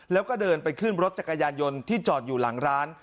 แล้วก็เดินไปขึ้นรถจักรยานยนต์ที่จอดอยู่หลังร้าน